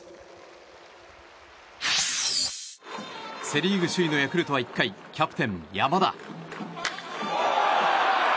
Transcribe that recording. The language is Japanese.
セ・リーグ首位のヤクルトは１回キャプテン、山田。